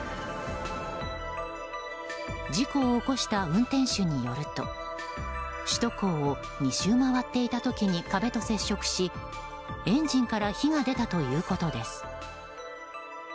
事故を起こした運転手によると首都高を２周回っていた時に壁と接触しエンジンから火が出たということです。